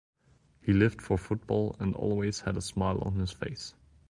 He lived for football and always had a smile on his face.